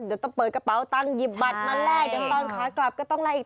เดี๋ยวต้องเปิดกระเป๋าตังค์หยิบบัตรมาแลกเดี๋ยวตอนขากลับก็ต้องแลกอีก